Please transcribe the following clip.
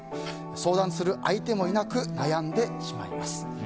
相談する相手もいなく悩んでしまいます。